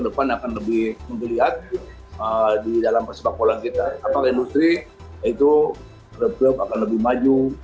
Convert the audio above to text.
depan akan lebih terlihat di dalam sepak bola kita atau industri itu reprob akan lebih maju